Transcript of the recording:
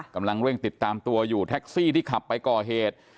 กำลังเร่งติดตามตัวอยู่แท็กซี่ที่ขับไปก่อเหตุ